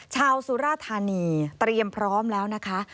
สุราธานีเตรียมพร้อมแล้วนะคะ